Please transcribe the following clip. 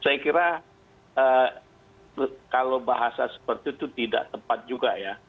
saya kira kalau bahasa seperti itu tidak tepat juga ya